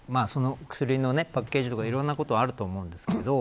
薬のパッケージとかいろいろあると思いますけど。